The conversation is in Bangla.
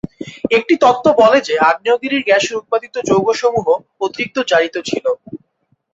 একটি তত্ত্ব বলে যে, আগ্নেয়গিরির গ্যাসের উৎপাদিত যৌগসমূহ অতিরিক্ত জারিত ছিল।